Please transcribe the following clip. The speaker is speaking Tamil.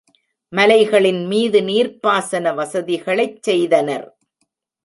மலைகளின் மீது நீர்ப்பாசன வசதிகளைச் செய்தனர்.